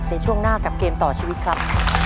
ในช่วงหน้ากับเกมต่อชีวิตครับ